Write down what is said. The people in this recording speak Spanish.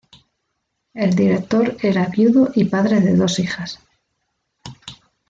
El director era viudo y padre de dos hijas.